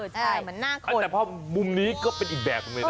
ใช่มันหน้าคนแต่พอมุมนี้ก็เป็นอีกแบบเลยนะ